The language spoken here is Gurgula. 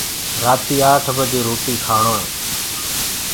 رآتي آٺ بجي روٽيٚ ڪآڻوئي